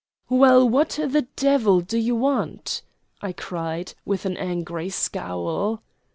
"Well, what the devil do you want?" I cried, with an angry scowl.